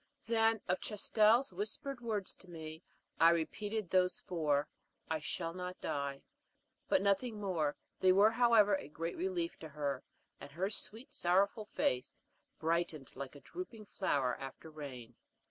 Then, of Chastel's whispered words to me, I repeated those four, "I shall not die," but nothing more; they were however, a great relief to her, and her sweet, sorrowful face brightened like a drooping flower after rain.